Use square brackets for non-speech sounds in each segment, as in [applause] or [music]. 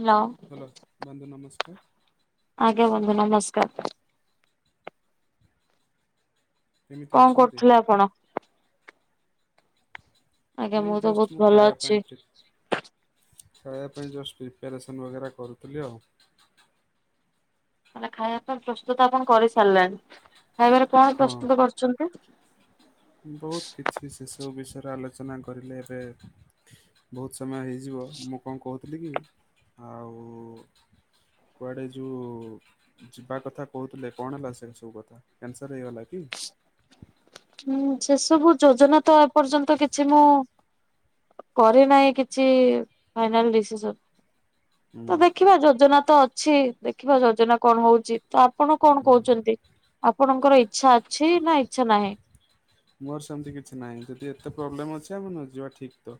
Hello hello ବନ୍ଧୁ ନମସ୍କାର। ଆଜ୍ଞ ବନ୍ଧୁ ନମସ୍କାର। କେମିତି କଣ ଅଛନ୍ତି? କରୁଥିଲେ ଆପଣ? ଆଜ୍ଞା ଏଇ ମୁଁ ତ ଜଷ୍ଟ୍ ବହୁତ ମୁ ଭଲ ଅଛି ଖାାୟାପାଇଁ [unintelligible] ଖାଇବା ପାଇଁ ପ୍ରିପାରେସନ୍ କରୁଥିଲି ଆଉ। ହେଲେ ଖାଇବା ପାଇଁ ପ୍ରସ୍ତୁତ ଆପଣ କରି ସାରିଲେଣି। ଖାଇବାରେ କଣ ହଁ ପ୍ରସ୍ତୁତ କରୁଛନ୍ତି? ବହୁତ କିଛି ସେସବୁ ବିଷୟରେ ଆଲୋଚନା କରିଲେ ଏବେ ବହୁତ ସମୟ ହେଇଯିବ ମୁଁ କଣ କହୁଥିଲି କି ଆଉ କୁଆଡ଼େ ଯୋଉ ଯିବା କଥା କହୁଥିଲେ କଣ ହେଲା ସେ ସବୁ କଥା କ୍ୟାନସର୍ ହେଇଗଲା କି? ହୁଁ ସେ ସବୁ ଯୋଜନା ତ ଏ ପର୍ଯ୍ୟନ୍ତ କିଛି ମୁଁ। କରେ ନାହିଁ କିଛି ଫାଇନାଲ୍ ଡିସିସନ୍। ହୁଁ ତ ଦେଖିବା ଯୋଜନା ତ ଅଛି ଦେଖିବା ଯୋଜନା କଣ ହଉଛି। ତ ଆପଣ କଣ ହୁଁ। କହୁଛନ୍ତି ଆପଣଙ୍କର ଇଚ୍ଛା ଅଛି ନା ଇଚ୍ଛା ନାହିଁ। ମୋର ସେମିତି କିଛି ନାହିଁ ଯଦି ଏତେ ପ୍ରୋବ୍ଲେମ ଅଛି ଆମ ନ ଯିବା ଠିକ୍ ତ।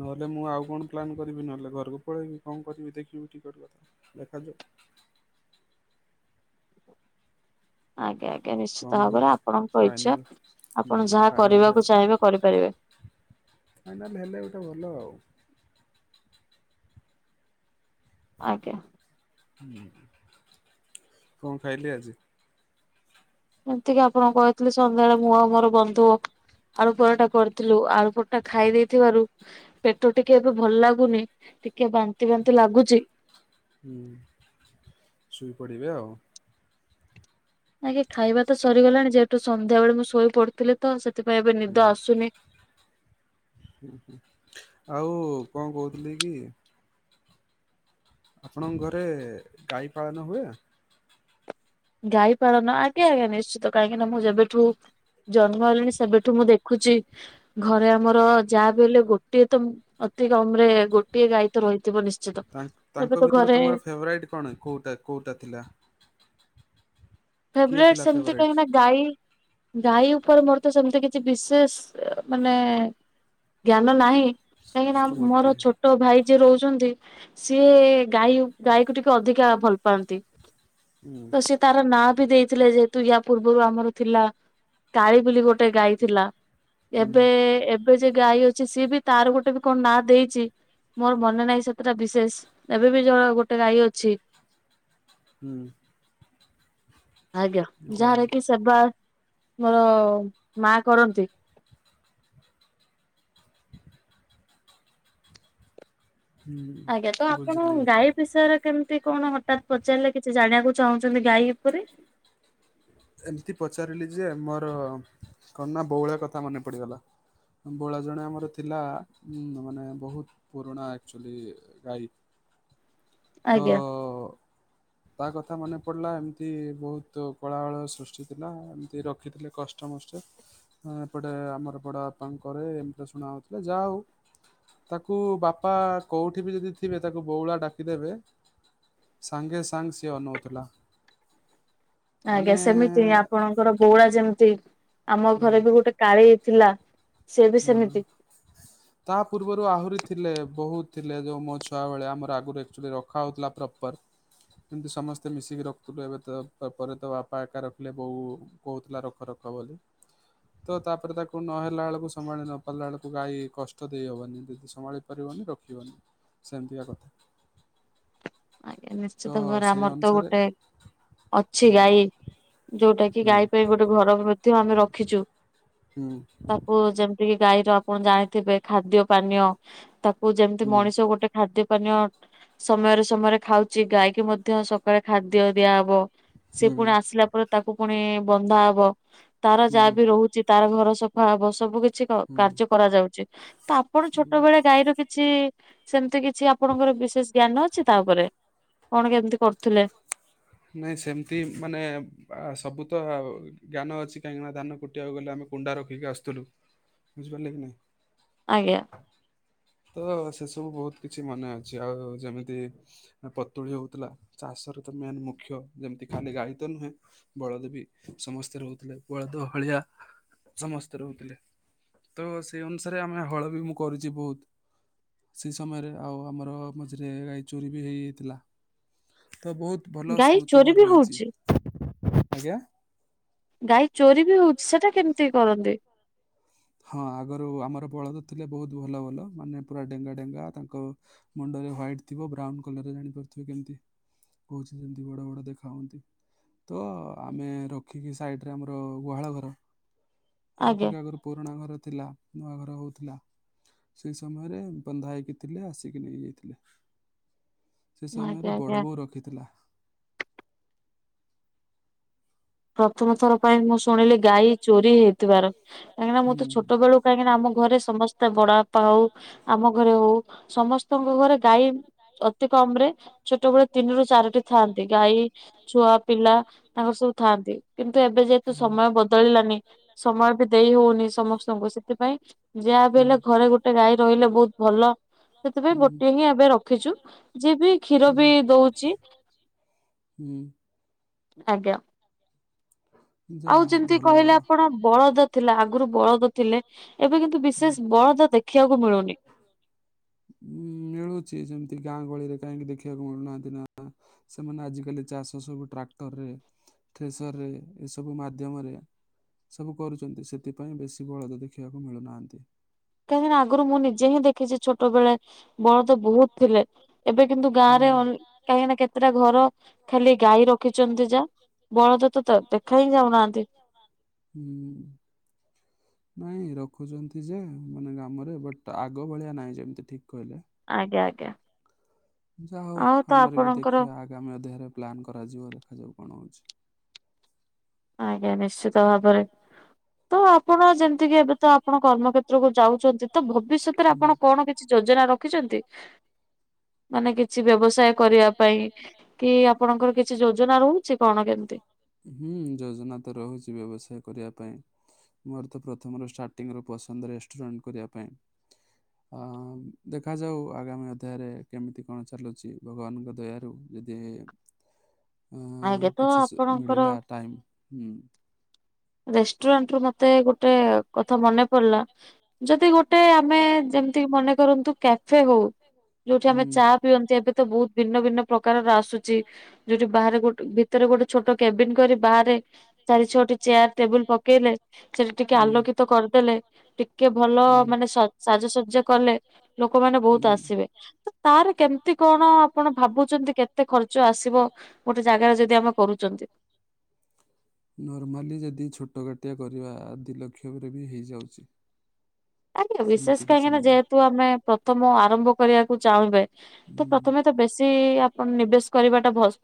ନହେଲେ ମୁଁ ଆଉ କଣ ପ୍ଲାନ୍ କରିବି ନହେଲେ ଘରକୁ ପଳେଇବି କଣ କରିବି ଦେଖିବି ଟିକେଟ୍ କଥା। ଦେଖାଯାଉ ଆଜ୍ଞା ଆଜ୍ଞା ନିଶ୍ଚ କଣ ହଉଛି ଫାଇନାଲ ଆପଣ ହଁ ଯାହା ଫାଇନାଲ କରିବାକୁ ହେଲେ। ଚାହିଁବେ କରିପାରିବେ ଫାଇନାଲ ହେଲେ ଗୋଟେ ଭଲ ଆଉ। ଆଜ୍ଞା। ହୁଁ କଣ ଖାଇଲିେ ଆଜି। ଏମତିକି ଆପଣ କହିଥିଲେି ସନ୍ଧ୍ୟାବେଳେ ମୁଁ ଆଉ ମୋର ବନ୍ଧୁ ଆଳୁ ପରଟା କରିଥିଲୁ। ଆଳୁ ପରଟା ଖାଇ ଦେଇେଥିବାରୁ ପେଟ ଟିକେ ଏବେ ଭଲ ଲାଗୁନି। ଟିକେ ବାନ୍ତି ବାନ୍ତି ଲାଗୁଛି। ହୁଁ ଶୋଇପଡ଼ିବେ ଆଉ। ଆଜ୍ଞା ଖାଇବା ତ ସରିଗଲାଣି ଯେହେତୁ, ସନ୍ଧ୍ୟା ବେଳେ ମୁଁ ଶୋଇ ପଡୁଥିଲି ତ, ସେଥିପାଇଁ ଏବେ ନିଦ ଆସୁନି। ହୁଁ ହୁଁ। ଆଉ କଣ କହୁଥିଲି କି? ଆପଣଙ୍କ ଘରେ ଗାଈ ପାଳନ ହୁଏ? ଗାଇପଳନ? ଆଜ୍ଞା ଆଜ୍ଞା, ନିଶ୍ଚିତ କାହିଁକି ନା ମୁଁ ଯେବେଠୁ ଜନ୍ମ ହେଲେଣି ସେବେଠୁ ମୁଁ ଦେଖୁଛି। ଘରେ ଆମର ଯାହା ବି ହେଲେ ଗୋଟିଏ ତ, ଅତି କମ ରେ ଗୋଟିଏ ଗାଈ ତ ରହିଥିବ ନି୍ଚ ତାଙ୍କ-ତାଙ୍କ ଭିତରୁ ତମର ଫେବୋରାଇଟ କଣ, କୋଉଟା? କେଉଟା ଥିଲା? କିଏ ଫେବୋରାଇଟ ଥିଲା ସେମିତି ଫେଭରାଇଟ୍? କାହିଁକିନା ଗାଈ, ଗାଈ ଉପରେ ମୋର ତ ସେମିତି କିଛି ବିଶେଷ ମାନେ ଜ୍ଞାନ ନାହିଁ। କାହିଁକି ନା ସ୍ମୃତି ମୋର ଛୋଟ ଛୋଟ ଭାଇ ଯିଏ ରହୁଛନ୍ତି, ସିଏ ଗାଈ- ଗାଈକୁ ଟିକେ ଅଧିକା ଭଲ ପାଆନ୍ତି। ହୁଁ। ତ ସେ ତାର ନା ବି ଦେଇଥିଲେ ଯେହେତୁ ୟା ପୂର୍ବରୁ ଆମର ଥିଲା। କାଳି ବୋଲି ଗୋଟେ ଗାଈ ଥିଲା। ହୁଁ। ଏବେ, ଏବେ ଯେ ଗାଈ ଅଛି, ସିଏ ବି ତାର ଗୋଟେ ବି କଣ ନାଁ ଦେଇଛି। ମୋର ମନେ ନାହିଁ ସେତେଟା ବିଶେଷ ଏବେ ବି ଜଣ- ଗୋଟେ ଗାଈ ଅଛି। ହୁଁ। ଆଜ୍ଞା। ଯା ଯାହାର କି ସେବା ମୋର ମା କରନ୍ତି। ହୁଁ ଆଜ୍ଞା। ତ ଆପଣ ବୁଝିଲି। ଗାଈ ବିଷୟରେ କେମିତି କଣ ହଠାତ୍ ପଚାରିଲେ କିଛି ଜାଣିବାକୁ ଚାହୁଁଛନ୍ତି ଗାଈ ଉପରେ? ଏମିତି ପଚାରିଲି ଯେ ମୋର କଣ ନା ବଉଳା କଥା ମନେ ପଡିଗଲା। ବଉଳା ଜଣେ ଆମର ଥିଲା। ଉ ମାନେ ବହୁତ ପୁରୁଣା ଆକ୍ଚୁଆଲି ଗାଈ। ତ ଆଜ୍ଞା ତା କଥା ମନେ ପଡିଲା ଏମତି ବହୁତ କଳାହଳ ସୃଷ୍ଟି ଥିଲା। ଏମିତି ରଖିଥିଲେ କଷ୍ଟ ମଷ୍ଟେ ହଁ ଏପଟେ ଆମର ବଡବାପାଙ୍କର ଏମିତି ଶୁଣା ହେଉଥିଲେ, ଯାହା ହଉ। ତାକୁ ବାପା କୋଉଠି ବି ଯଦି ଥିବେ, ତାକୁ ବଉଳା ଡାକିଦେବେ ସାଙ୍ଗେ, ସାଙ୍ଗ ସିଏ ଅନଉଥିଲା। ମାନେ ଆଜ୍ଞା ସେମିତି ଆପଣଙ୍କର ବଉଳା ଯେମିତି? ଆମ ଘରେ ବି ଗୋଟେ କାଳି ଥିଲା। ସେ ବି ହଁ। ସେମିତି ତା ପୂର୍ବରୁ ଆହୁରି ଥିଲେ। ବହୁତ ଥିଲେ। ଯୋଉ ମୋ ଛୁଆ ଭାଲିଆ ଆମର ଆଗରୁଚ ରଖା ହଉଥିଲା ପ୍ରପର ଏମିତି ସମସ୍ତେ ମିଶିକି ରଖୁଥିଲୁ। ଏବେ ତ ପରେ ତ ବାପା ଏକା ରଖିଲେ ବୋଉ କହୁଥିଲା ରଖ ରଖ ବୋଲି। ତ ତାପରେ ତାକୁ ନ ହେଲା ବେଳକୁ ସମ୍ଭାଳି ନ ପାରିଲା ବେଳକୁ, ଗାଈ କଷ୍ଟ ଦେଇହବନି। ଯଦି ସମ୍ଭାଳି ପାରିବନି ରଖିବନି। ସେମତିଆ କଥା। ଆଜ୍ଞା ତ ନିଶ୍ଚିତ ଭରା, ସେଇ ଆମର ତ ଅନୁସାରେ ଗୋଟେ ଅଛି ଗାଈ। ଯୋଉଟା କି ହୁଁ ଗାଈ ପାଇଁ ଗୋଟେ ଘର ମଧ୍ୟ ଆମେ ରଖିଛୁ। ହୁଁ। ତାକୁ ଯେମ ତି, ଗାଈର ଆପଣ ଜାଣିଥିବେ, ଖାଦ୍ୟ ପାନୀୟ ତାକୁ ଯେମିତି, ହୁଁ ମଣିଷ ଗୋଟେ ଖାଦ୍ୟ ପାନୀୟ ସମୟରେ, ସମୟରେ ଖାଉଛି। ଗାଈକୁ ମଧ୍ୟ ସକାଳେ ଖାଦ୍ୟ ଦିଆହବ। ସେ ହୁଁ ପୁଣି ଆସିଲା ପରେ ତାକୁ ପୁଣି ବନ୍ଧା ହବ। ତାର ହୁଁ ଯାହା ବି ରହୁ ଚି। ତାର ଘର ସଫା ହବ। ସବୁ କିଛି କିଛି ହୁଁ। କାର୍ଯ୍ୟ କରାଯାଉଛି ତ ଆପଣ ଛୋଟବେଳେ ଗାଈର କିଛି, ସେମିତି କି ଛି ଆପଣଙ୍କର ବିଶେଷ ଜ୍ଞାନ ଅଛି ତା ଉପରେ? କଣ କେମିତି କରୁଥିଲେ? ନାଇଁ ସେମିତି ମାନେ ସବୁ ତ ଜ୍ଞାନ ଅଛି କାହିଁକି ନା ଧାନ କୁଟ ଟିବାକୁ ଗଲେ ଆମେ ଗୁଣ୍ଡା ରଖିକି ଆସୁଥିଲୁ ବୁଝିପାରିଲେ କି ନାଇଁ? ଆଜ୍ଞା। ଓ ସେସବୁ ବହୁତ କିଛି ମନେ ଅଛି ଆଉ ଯେମିତି ପତୁଳି ହଉଥିଲା। ଚାଷରେ ତ ମେନ୍ ମୁଖ୍ୟ ଯେମିତି ଖାଲି ଗାଈ ତ ନୁହେଁ। ବଳଦେବୀ ସମସ୍ତେ ରହୁଥିଲେ ବଳଦ ଭଳିଆ ସମସ୍ତେ ରହୁଥିଲେ। ତ ସେଇ ଅନୁସାରେ ଆମେ ହଳ ବି ମୁଁ କରୁଚି ବହୁତ ସେହି ସମୟରେ ଆଉ ଆମର ମଝିରେ ଗାଈ ଚୋରି ବି ହେଇଯାଇଥିଲା। ତ ବହୁତ ଭଲ ଗାଈ ସ୍ମୃତି ଚୋରି ମୋର ବି ରହିଛି ହଉଛି ଆଜ୍ଞା। ଗାଈ ଚୋରି ବି ହଉଛି ସେଟା କେମିତି କରନ୍ତି? ହଁ ଆଗରୁ ଆମର ବଳଦ ଥିଲେ ବହୁତ ଭଲ ଭଲ ମାନେ ପୁରା ଡେଙ୍ଗା ଡେଙ୍ଗା ତାଙ୍କ ମୁଣ୍ଡ ରେ ହ୍ୱାଇଟ୍ ଥିବ ବ୍ରାଉନ କଲର ରେ ଜାଣିପାରୁଥିବେ କେମିତି। କହୁଚି ଯେମିତି ବଡ଼ ବଡ଼ ଦେଖା ହୁଅନ୍ତି। ତ ଆମେ ରଖିକି ସାଇଡରେ ଆମର ଗୁହାଳ ଘର ଆଜ୍ଞା ରଖିକି ଆଗରୁ ପୁରୁଣା ଘର ଥିଲା ନୂଆ ଘର ହଉଥିଲା। ସେଇ ସମୟରେ ବନ୍ଧା ହେଇକି ଥିଲେ ଆସିକି ନେଇଯାଇଥିଲେ। ସେ ଆଜ୍ଞା ସମୟରେ ଆଜ୍ଞା ବଡ଼ ବୋଉ ରଖିଥିଲା। ପ୍ରଥମ ଥର ପାଇଁ ମୁଁ ଶୁଣିଲି ଗାଈ ଚୋରି ହେଇଥିବାର କାହିଁକିନା ମୁଁ ହୁଁ ତ ଛୋଟ ବେଳୁ କାହିଁକିନା ଆମ ଘରେ ସମସ୍ତେ ତେ ବଡ ବାପା ହଉ ଆମ ଘରେ ହଉ ସମସ୍ତଙ୍କ ଘରେ ଗାଈ ଅ ତି କମ ରେ ଛୋଟବେଳେ ତିନି ରୁ ଚାରିଟି ଥାଆନ୍ତି ଗାଈ ଛୁଆ ପିଲା ତାଙ୍କର ସବୁ ଥାନ୍ତି। କିନ୍ତୁ ଏବେ ଯେହେତୁ ହୁଁ ସମୟ ବଦଳିଲାନି ସମୟ ବି ଦେଇ ହଉନି ସମସ୍ତଙ୍କୁ ସେଥିପାଇଁ ଯାହା ବି ହୁଁ ହେଲେ ଘରେ ଗୋଟେ ଗାଈ ରହିଲେ ବହୁତ ଭଲ ସେଥିପାଇଁ ଗୋଟିଏ ହିଁ ଏବେ ରଖିଛୁ। ଯିଏ ବି କ୍ଷୀର ହୁଁ ବି ଦଉଚି। ହୁଁ ହୁଁ। ଆଜ୍ଞା। ଯାହା ଆଉ ହଉ ଯେମିତି ଭଲ। କହିଲେ ଆପଣ ବଳଦ ଥିଲା ଆଗରୁ ବଳଦ ଥିଲେ ଏବେ କିନ୍ତୁ ବିଶେଷ ବଳଦ ଦେଖିବାକୁ ମିଳୁନି। ହୁଁ ମିଳୁଚି ଯେମିତି ଗାଁ ଗହଳିରେ କାହିଁକି ଦେଖିବାକୁ ମିଳୁନାହାନ୍ତି ନାଁ। ସେମାନେ ଆଜିକାଲି ଚାଷ ସବୁ ଟ୍ରାକ୍ଟର ରେ ଟ୍ରେଜରରେ ଏସବୁ ମାଧ୍ୟମରେ ସବୁ କରୁଚନ୍ତି ସେଥିପାଇଁ ବେଶୀ ବଳଦ ଦେଖିବାକୁ ମିଳୁନାହାଁନ୍ତି। କାହିଁକିନା ଆଗରୁ ମୁଁ ନିଜେ ହିଁ ଦେଖିଛି ଛୋଟବେଳେ ବଳଦ ବହୁତ ଥିଲେ ଏବେ କିନ୍ତୁ ଗାଁ ରେ କାହିଁକି ନା କେତେଟା ଘର ଖାଲି ଗାଈ ରଖିଛନ୍ତି ଯା ବଳଦତ ତ ଦେଖା ହିଁ ଯାଉନାହାନ୍ତି। ହୁଁ। ନାଇଁ ରଖୁଛନ୍ତି ଯେ ମାନେ ଗ୍ରାମରେ ବଟ୍ ଆଗ ଭଳିଆ ନାହିଁ ଯେମିତି ଠିକ୍ କହିଲେ। ଆଜ୍ଞା ଆଜ୍ଞା। ଯାହା ହଉ ଆଉ ତ ଆମର ବି ଆପଣଙ୍କର ଦେଖିବା ଆଗାମୀ ଅଧ୍ୟାୟରେ ପ୍ଲାନ୍ କରାଯିବ ଦେଖାଯାଉ କଣ ହଉଛି। ଆଜ୍ଞା ନିଶ୍ଚିତ ଭାବରେ। ତ ଆପଣ ଯେମିତିକି ଏବେ ତ ଆପଣ କର୍ମକ୍ଷେତ୍ରକୁୁ ଯାଉଛନ୍ତି ତ ଭବିଷ୍ୟତରେ ହୁଁ। ଆପଣ କଣ କେ ଛି ଯୋଜନା ରଖିଚନ୍ତି ମାନେ କିଛି ବ୍ୟବସ୍ ତେ କରିବା ପାଇଁ କି ଆପଣଙ୍କର କିଛି ଯୋଜନା ରହୁଛି କଣ କେମିତି? ହୁଁ ଯୋଜନା ତ ରହୁଛି ବ୍ୟବସାୟ କରିବା ପାଇଁ। ମୋର ତ ପ୍ରଥମରୁ ଷ୍ଟାର୍ଟିଂ ର ପସନ୍ଦ ରେଷ୍ଟୁରାଣ୍ଟ କରିବା ପାଇଁ। ଆ ଦେଖାଯାଉ ଆଗାମୀ ଅଧ୍ୟାୟରେ କେମିତି କଣ ଚାଲୁଛି। ଭଗବାନଙ୍କ ଦୟାରୁ ଯଦି। ଆ ଆଜ୍ଞା ତ କିଛି ସେ ଆପଣଙ୍କର ମିଳିଲା ଟାଇମ ହୁଁ। ରେଷ୍ଟୁରାଣ୍ଟ ରୁ ମତେ ଗୋଟେ କଥା ମନେ ପଡିଲା ଯଦି ଗୋ ଟେ ଆମେ ଯେମିତିକି ମନେ କରନ୍ତୁ କ୍ୟାଫେ ହଉ ଯୋଉଠି ଆମେ ହୁଁ। ଚା ପିଅନ୍ ଏବେ ତ ବହୁତ ଭିନ୍ନ ଭିନ୍ନ ପ୍ରକାରର ଆସୁଛି ଯୋଉଠି ବାହାରେ ଗୋଟେ ଭି ତରେ ଗୋଟେ ଛୋଟ କ୍ୟାବିନ କରି ବାହାରେ ଚାରି ଛଅଟି ଚେୟାର ଟେବୁଲ ପକେଇଲେ ସେଠି ଟିକେ ହୁଁ। ଆଲୋକିତ କରିଦେଲେ ଟିକେ ଭଲ ମାନେ ସାଜସଜ୍ଜା କଲେ। ଲୋକମାନେ ବହୁତ ଆସିବେ। ହୁଁ। ତାର କେମିତି କଣ ଆପଣ ଭାବୁଛନ୍ତି କେତେ ଖର୍ଚ୍ଚ ଆସିବ? ଗୋଟେ ଜାଗାରେ ଯଦି ଆମେ କରୁଛନ୍ତି। [inaudible] ନର୍ମାଲି ଯଦି ଛୋଟ ଗାଡ଼ି ଟିଏ କରିବା ଆଦି ଲକ୍ଷରେ ବି ହେଇଯାଉଛି। ଆଜ୍ଞା ସେମିତି ବିଶେଷ କିଛି କାହିଁକି ନା ନାହିଁ। ଯେହେତୁ ଆମେ ପ୍ରଥମ ଆରମ୍ଭ କରିବାକୁ ଚାହୁଁବେ ତ ହୁଁ ପ୍ରଥମେ ତ ବେଶୀ ଆପଣ ନିବେଶ କରିବାଟା ଭଲ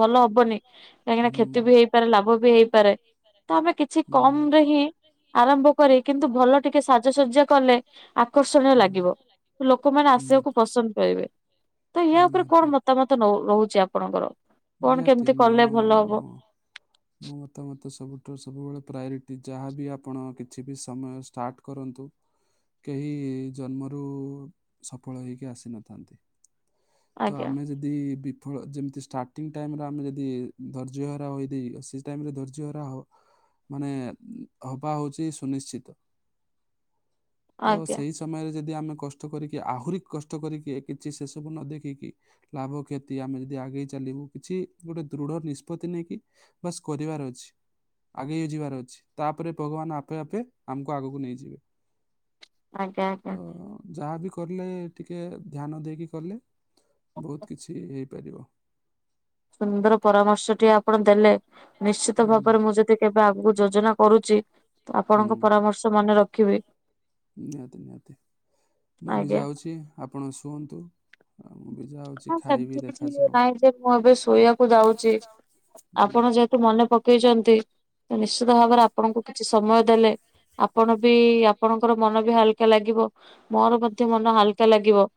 ଭଲ ହବନି କାହିଁକିନା କ୍ଷତି ହୁଁ। ବି ହେଇପାରେ ଲାଭ ବି ହେଇପାରେ। ତ ଆମେ କିଛି ହୁଁ କମ ରେ ହିଁ ଆରମ୍ଭ କରେ କିନ୍ତୁ ଭଲ ଟିକେ ସାଜସଜ୍ଜା କଲେ ଆକର୍ଷଣୀୟ ହୁଁ ଲାଗିବ ଲୋକମାନେ ଆସିବାକୁ ନିହାତି। ପସନ୍ଦ ସନ୍ ପାଇବେ ତ ୟା ଉପରେ କଣ ନିହାତି ମତାମତ ରହୁଛି ଆପଣଙ୍କର? କଣ ନିହାତି କେମିତି ମୁ କଲେ ଭଲ ହବ ମୁ ମୋ ମତାମତ ସବୁଠାରୁ ସବୁବେଳେ ପ୍ରାୟୋରିଟି ଯାହାବି ଆପଣ କିଛି ବି ସମୟ ଷ୍ଟାର୍ଟ କରନ୍ତୁ। କେହି ଜନ୍ମରୁ ସଫଳ ହୋଇକି ଆସିନଥାନ୍ତି। ତ ଆଜ୍ଞା ଆମେ ଯଦି ବିଫଳ ଯେମିତି ଷ୍ଟାର୍ଟ ଟିଙ୍ଗ ଟାଇମ୍ ରେ ଆମେ ଯଦି ଧୈର୍ଯ୍ୟହରା ହୋଇ ଦେଇ ସେ ଟାଇମ୍ରେ ଧୈର୍ଯ୍ୟହରା ହଉ ମାନେ ହବା ହଉଛି ସୁନିଶ୍ଚିତ ତ ଆଜ୍ଞା ସେଇ ସମୟରେ ଯଦି ଆମେ କଷ୍ଟ କରିକି ଆହୁରି କଷ୍ଟ କରିକି କିଛି ସେସବୁ ନ ଦେଖିକି ଲାଭ କ୍ଷତି ଆମେ ଯଦି ଆଗେଇ ଚାଲିବୁ କିଛି ଗୋଟେ ଦୃଢ଼ ନିଷ୍ପତ୍ତି ନେଇକି ବାସ୍ କରିବାର ଅଛି। ଆଗେଇ ଯିବାର ଅଛି ତାପରେ ଭଗବାନ ଆପେ ଆପେ ଆମକୁ ଆଗକୁ ନେଇଯିବେ। ଆଜ୍ଞା ଆଜ୍ଞା ତ ଯାହାବି କଲେ ଟିକେ ଧ୍ୟାନ ଦେଇକି କଲେ ବହୁତ କିଛି ହେଇପାରିବ। ସୁନ୍ଦର ପରାମର୍ଶ ଟିଏ ଆପଣ ଦେଲେ ନିଶ୍ଚିତ ହୁଁ ଭାବରେ, ମୁଁ ଯଦି କେବେ ଆଗକୁ ଯୋଜନା କରୁଛି ତ ହୁଁ ଆପଣଙ୍କ ପରାମର୍ଶ ମନେ ରଖିବି। ନିହାତି, ନିହାତି, ମୁଁ ବି ଆଜ୍ଞା ଯାଉଛି ଆପଣ ଶୁଅନ୍ତୁ ଆଉ ମୁଁ ବି ଯାଉଛି ନା ଖାଇବି ସେମିତି କିଛି ଦେଖାଯାଉ। ନାହିଁ ଯେ, ମୁଁ ଏବେ ଶୋଇବାକୁ ଯାଉଛି ହୁଁ ଆପଣ ଯା ମନେ ପକେଇଛନ୍ତି ତ ନିଶ୍ଚିତ ଭାବରେ ଆପଣଙ୍କୁ କିଛି ସମୟ ଦେଲେ। ଆପଣ ବି ଆପଣଙ୍କର ମନ ବି ହାଲକା ଲାଗିବ। ମୋର ମଧ୍ୟ ମନ ହାଲକା ଲାଗିବ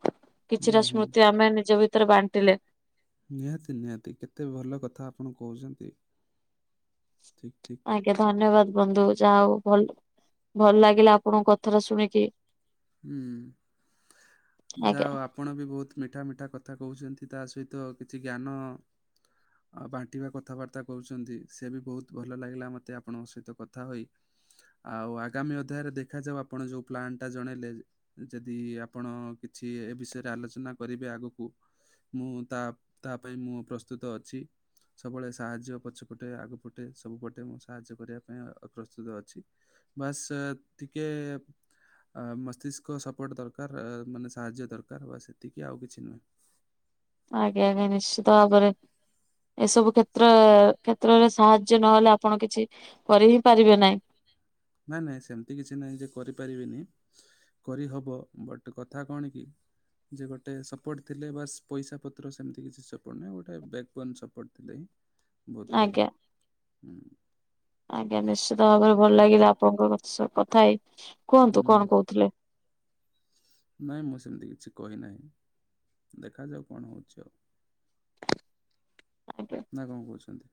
ହୁଁ କିଛିଟା ହୁଁ ସ୍ମୃତି ଆମେ ନିଜ ଭିତରେ ବାଣ୍ଟିଲେ। ନିହାତି ନିହାତି କେତେ ଭଲ କଥା ଆପଣ କହୁଛନ୍ତି। ଠିକ୍ ଠିକ୍। ଆଜ୍ଞା ଧନ୍ୟବାଦ ବନ୍ଧୁ ଯାହା ହଉ ଭଲ ଭଲ ଲାଗିଲା ଆପଣଙ୍କ କଥା ଟା ଶୁଣିକି। ହୁଁ ଯାଆ ଆଜ୍ଞା। ହଉ ଆପ ଆପଣ ବି ବହୁତ ମିଠା ମିଠା କଥା କହୁଛନ୍ତି ତା ସହିତ କିଛି ଜ୍ଞାନ ଆଉ ବାଣ୍ଟିବା କଥାବାର୍ତ୍ତା କରୁଛନ୍ତି ସେ ବି ବହୁତ ଭଲ ଲାଗିଲା ମତେ ଆପଣଙ୍କ ସହିତ କଥା ହୋଇ। ଆଉ ଆଗାମୀ ଅଧ୍ୟାୟରେ ଦେଖାଯାଉ ଆପଣ ଯୋଉ ପ୍ଲାନ୍ଟା ଜଣେଇଲେ ଯେଦି ଆପଣ କିଛି ଏ ବିଷୟରେ ଆଲୋଚନା କରିବେ ଆଗୁକୁ ମୁଁ ତା ତା ପାଇଁ ମୁଁ ପ୍ରସ୍ତୁତ ଅଛି। ସବୁବେଳେ ସାହାଯ୍ୟ ପଛ ପଟେ ଆଗ ପଟେ ସବୁ ପଟେ ମୁଁ ସାହାଯ୍ୟ କରିବା ପାଇଁ ପ୍ରସ୍ତୁତ ଅଛି। ବାସ୍ ଟିକେ ମସ୍ତିଷ୍କ ସପୋର୍ଟ ଦରକାର ମାନେ ସାହାଯ୍ୟ ଦରକାର୍ ବାସ୍ ଏତିକି ଆଉ କିଛି ନୁହଁ। ଆଜ୍ଞା, ଆଜ୍ଞା, ନିଶ୍ଚିତ ଭାବରେ। ଏସବୁ କ୍ଷେତ୍ର କ୍ଷେତ୍ରରେ ସାହାଯ୍ୟ ନହେଲେ ଆପଣ କିଛି କରି ହିଁ ପାରିବେ ନାହିଁ। ନାଇଁ ନାଇଁ ସେମିତି କିଛି ନାଇଁ ଯେ କରିପାରିବିନି। କରିହବ ବଟ୍ କଥା କଣ କି? ଯେ ଗୋଟେ ସପୋର୍ଟ ଥିଲେ ବାସ୍ ପଇସା ପତ୍ର ସେମିତି କିଛି ସପୋର୍ଟ ନାହିଁ ଗୋଟେ ବ୍ୟାକ୍ବୋନ୍ ସପୋର୍ଟ ଥିଲେହିଁ। ବହୁତ ଭଲ ଆଜ୍ଞା ହୁଁ। ଆଜ୍ଞା ନିଶ୍ଚିତ ଭାବରେ ଭଲ ଏ ଲାଗିଲା ଆପଣଙ୍କ ସହ କଥା ହେଇ, ହୁଁ କୁହନ୍ତୁ କଣ କହୁଥିଲେ? ନାଇଁ ମୁଁ ସେମିତି କିଛି କହିନାହିଁ, ଦେଖାଯାଉ କଣ ହଉଛି ଆଉ? ଆଜ୍ଞା। ନା କଣ କହୁଛନ୍ତି?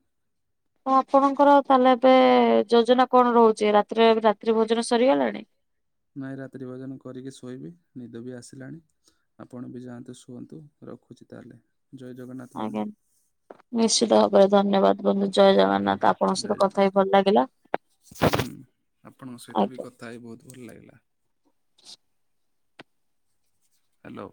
ତ ଆପଣଙ୍କର ତାହେଲେ ଏବେ ଯୋଜନା କଣ ରହୁଛି ରାତିରେ ରାତ୍ରି ଭୋଜନ ସରିଗଲାଣି? ନାଇଁ ରାତ୍ରି ଭୋଜନ କରିକି ଶୋଇବି ନିଦ ବି ଆସିଲାଣି। ଆପଣ ବି ଯାଆନ୍ତୁ ଶୁଅନ୍ତୁ ରଖୁଚି ତାହେଲେ, ଜୟ ଜଗନ୍ନାଥ ଆଜ୍ଞା ବନ୍ଧୁ। ନିଶ୍ଚିତ ଭାବରେ ଧନ୍ୟବାଦ ବନ୍ଧୁ, ଜୟ ଜଗନ୍ନାଥ ଆପଣଙ୍କ ଜୟ ସହିତ ଜଗନ୍ନାଥ। କଥା ହି ଭଲ ଲାଗିଲା। ହୁଁ ଆପଣଙ୍କ ସହିତ ଆଜ୍ଞା। ବି କଥା ହେଇ ବହୁତ ଭଲ ଲାଗିଲା। ହ୍ୟାଲୋ।